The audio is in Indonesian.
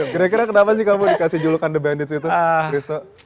kira kira kenapa sih kamu dikasih julukan the bandits itu christo